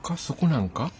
そこなんか？